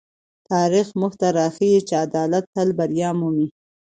تاریخ موږ ته راښيي چې عدالت تل بریا مومي.